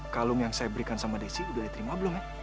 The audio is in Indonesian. kalung yang saya berikan sama desi udah diterima belum ya